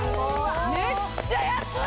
めっちゃ安い！